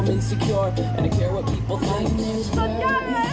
ซอฟที่พอปแมสแล้วก็โอซาโฟ